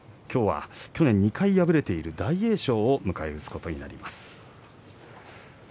きょうは去年２回敗れている大栄翔を迎え撃つことになります。